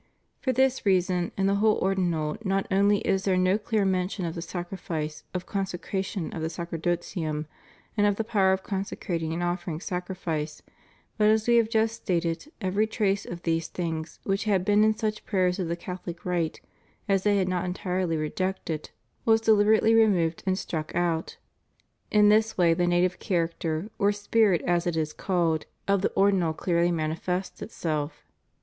For this reason in the whole Ordinal not only is there no clear mention of the sacrifice, of consecration, of the sacerdotium, and of the power of consecrating and offering sacrifice, but, as we have just stated, every trace of these things, which had been in such prayers of the Catholic rite as they had not entirely rejected, was deliberately removed and struck out. In this way the native character — or spirit as it is called — of the Ordinal ANGLICAN ORDERS. 403 clearly manifests itself.